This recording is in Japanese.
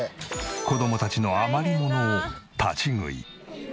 子どもたちの余り物を立ち食い。